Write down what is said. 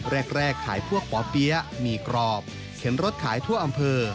แรกขายพวกป่อเปี๊ยะหมี่กรอบเข็นรถขายทั่วอำเภอ